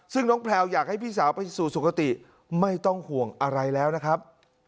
ซึ่งน้องแพลวอยากให้พี่สาวไปสู่สุขติไม่ต้องห่วงอะไรแล้วนะครับ